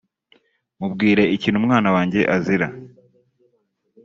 Mubwire ikintu umwana wanjye azira